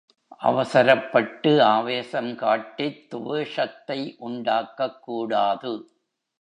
அவசரப்பட்டு ஆவேசம் காட்டித் துவேஷத்தை உண்டாக்கக் கூடாது.